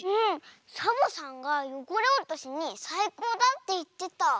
サボさんがよごれおとしにさいこうだっていってた。